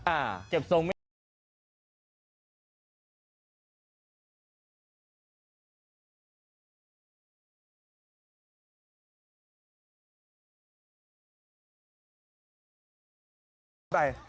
อ่าเก็บทรงไม่